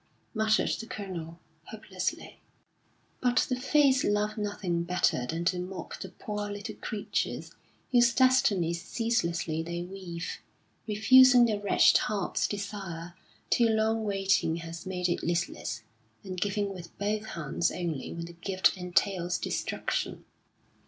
muttered the Colonel, hopelessly. But the Fates love nothing better than to mock the poor little creatures whose destinies ceaselessly they weave, refusing the wretched heart's desire till long waiting has made it listless, and giving with both hands only when the gift entails destruction....